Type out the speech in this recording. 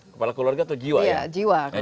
kepala keluarga atau jiwa ya jiwa